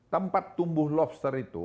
tempat tumbuh lobster itu